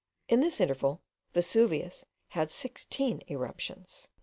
In this interval Vesuvius had sixteen eruptions.